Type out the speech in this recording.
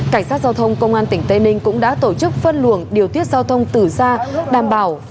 cảnh sát giao thông công an tỉnh tây ninh cũng đã tổ chức phân luồng điều tuyết giao thông từ xa